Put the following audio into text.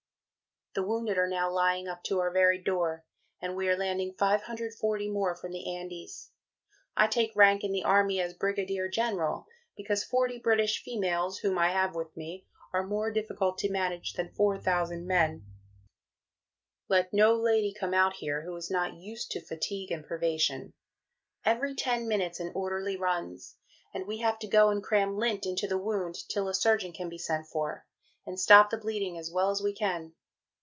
The wounded are now lying up to our very door, and we are landing 540 more from the Andes. I take rank in the Army as Brigadier General, because 40 British females, whom I have with me, are more difficult to manage than 4000 men. Let no lady come out here who is not used to fatigue and privation.... Every ten minutes an Orderly runs, and we have to go and cram lint into the wound till a Surgeon can be sent for, and stop the Bleeding as well as we can.